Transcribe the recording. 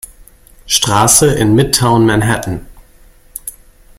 Straße, in Midtown Manhattan.